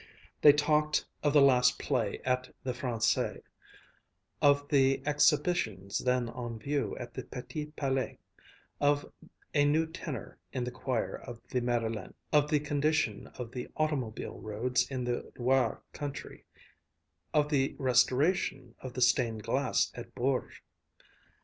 They talked of the last play at the Français, of the exhibitions then on view at the Petit Palais, of a new tenor in the choir of the Madeleine, of the condition of the automobile roads in the Loire country, of the restoration of the stained glass at Bourges.